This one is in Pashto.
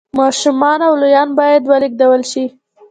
ماشومان او لویان باید ولېږدول شي